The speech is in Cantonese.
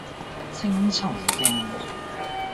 青松徑